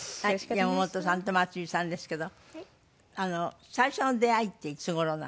山本さんと松居さんですけど最初の出会いっていつ頃なんですか？